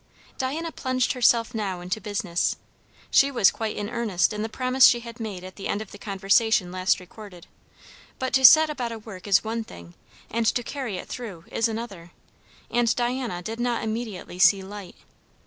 Diana plunged herself now into business. She was quite in earnest in the promise she had made at the end of the conversation last recorded; but to set about a work is one thing and to carry it through is another; and Diana did not immediately see light.